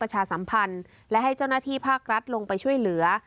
ประชาสัมพันธ์และให้เจ้าหน้าที่ภาครัฐลงไปช่วยเหลือ